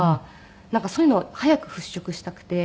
なんかそういうの早く払拭したくて。